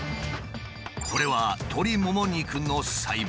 これは鶏もも肉の細胞。